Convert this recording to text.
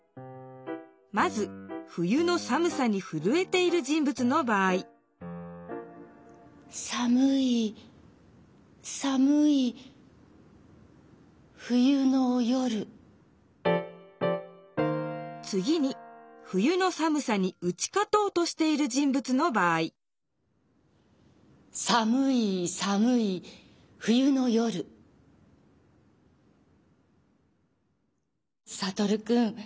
まず冬のさむさにふるえている人物の場合つぎに冬のさむさにうちかとうとしている人物の場合サトルくん。